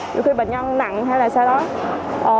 đôi khi bệnh nhân nặng hay là sao đó